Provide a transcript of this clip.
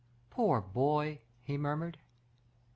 "Poor boy!" he murmured.